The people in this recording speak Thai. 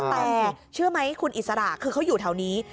แต่เชื่อไหมคุณอิสระคือเขาอยู่แถวนี้